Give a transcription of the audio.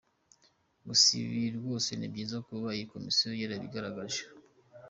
Gusa ibi rwose ni byiza kuba iyi komisiyo yarabigaragaje.